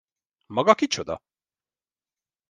Maga kicsoda?